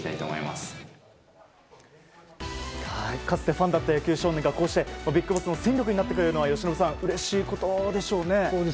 かつてファンだった野球少年がこうしてビッグボスの戦力になってくれるのは由伸さんうれしいことでしょうね。